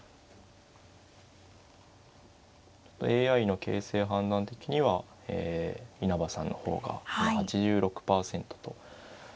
ＡＩの形勢判断的には稲葉さんの方が８６％となってますね。